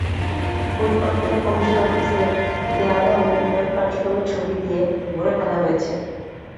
পরিকল্পনা কমিশন অফিসের দেয়ালেও উন্নয়ন কার্যক্রমের ছবি দিয়ে ভরে ফেলা হয়েছে।